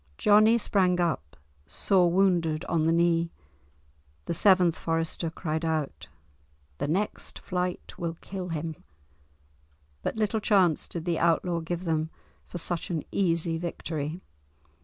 Johnie sprang up, sore wounded on the knee. The seventh forester cried out, "The next flight will kill him," but little chance did the outlaw give them for such an easy victory.